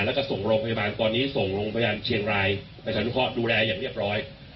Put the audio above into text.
แล้วก็ส่งโรงพยาบาลตอนนี้ส่งโรงพยาบาลเชียงรายประชานุเคราะห์ดูแลอย่างเรียบร้อย